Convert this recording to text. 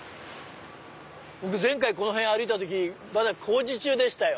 僕前回この辺歩いた時まだ工事中でしたよ。